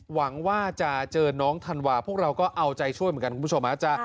หวังว่าจะเจอน้องธันวาพวกเราก็เอาใจช่วยเหมือนกันคุณผู้ชม